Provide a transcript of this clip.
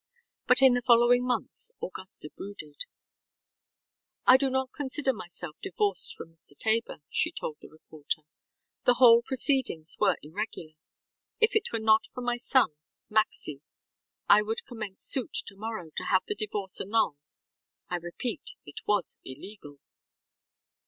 But in the following months Augusta brooded. ŌĆ£I do not consider myself divorced from Mr. Tabor, ŌĆØ she told the reporter. ŌĆ£The whole proceedings were irregular. If it were not for my son, Maxcy, I would commence suit tomorrow to have the divorce annulled. I repeat, it was illegal.